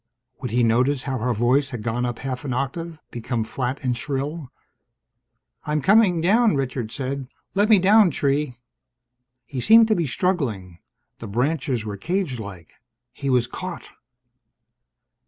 Would he notice how her voice had gone up half an octave, become flat and shrill? "I'm coming down," Richard said. "Let me down, tree." He seemed to be struggling. The branches were cagelike. He was caught!